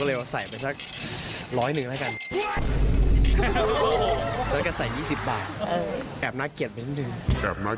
เลยใส่สักร้อยหนึ่งแล้วฝันในใจว่า